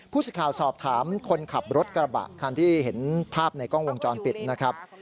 สิทธิ์ข่าวสอบถามคนขับรถกระบะคันที่เห็นภาพในกล้องวงจรปิดนะครับ